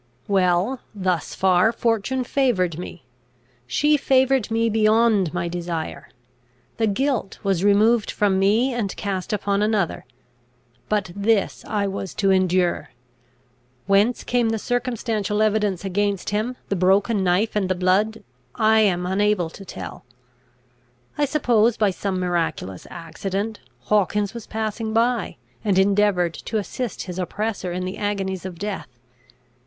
"Well, thus far fortune favoured me; she favoured me beyond my desire. The guilt was removed from me, and cast upon another; but this I was to endure. Whence came the circumstantial evidence against him, the broken knife and the blood, I am unable to tell. I suppose, by some miraculous accident, Hawkins was passing by, and endeavoured to assist his oppressor in the agonies of death.